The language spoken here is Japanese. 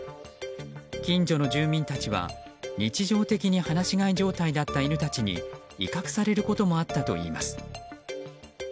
近所の住民たちは日常的に放し飼い状態だった犬たちに威嚇されることもあったといいます。